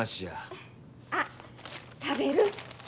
あ食べる？